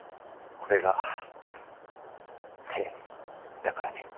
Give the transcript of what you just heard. これが「て」だからね。